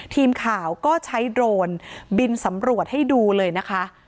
ทีมข่าวก็ใช้โดรนบินสำรวจให้ดูเลยนะคะ